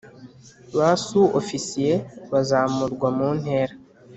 Ba Su Ofisiye bazamurwa mu ntera